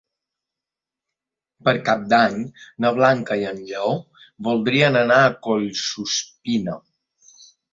Per Cap d'Any na Blanca i en Lleó voldrien anar a Collsuspina.